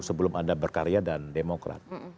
sebelum anda berkarya dan demokrat